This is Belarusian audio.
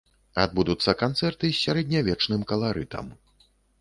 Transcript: Адбудуцца канцэрты з сярэднявечным каларытам.